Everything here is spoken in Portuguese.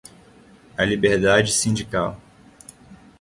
a liberdade sindical